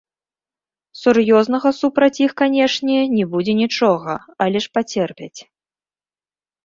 Сур'ёзнага супраць іх, канечне, не будзе нічога, але ж пацерпяць.